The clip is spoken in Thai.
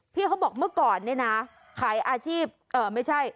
เขาบอกเมื่อก่อนเนี่ยนะขายอาชีพไม่ใช่